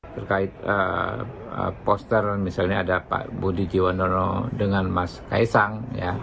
terkait poster misalnya ada pak budi kiono dengan mas kaisang